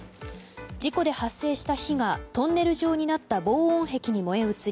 事故で発生した火がトンネル状になった防音壁に燃え移り